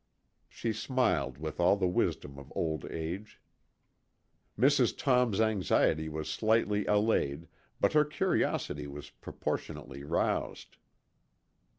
She smiled with all the wisdom of old age. Mrs. Tom's anxiety was slightly allayed, but her curiosity was proportionately roused.